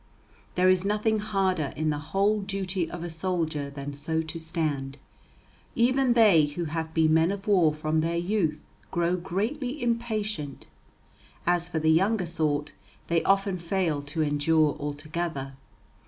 There is nothing harder in the whole duty of a soldier than so to stand; even they who have been men of war from their youth grow greatly impatient; as for the younger sort they often fail to endure altogether.